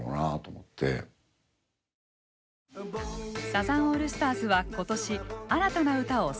サザンオールスターズは今年新たな歌を３曲発表。